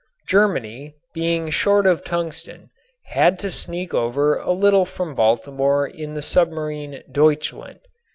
Germany, being short of tungsten, had to sneak over a little from Baltimore in the submarine Deutschland.